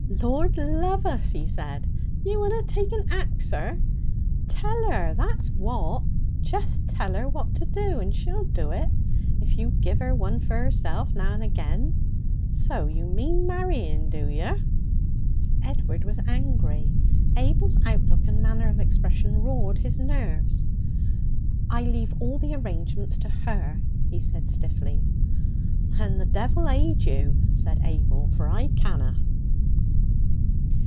'Lord love us!' he said. 'You unna take and ax her? Tell her, that's what! Just tell her what to do, and she'll do it if you give her one for herself now and agen. So you mean marrying, do yer?' Edward was angry. Abel's outlook and manner of expression rawed his nerves. 'I leave all the arrangements to her,' he said stiffly. 'Then the devil aid you,' said Abel, 'for I canna!'